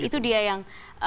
itu dia yang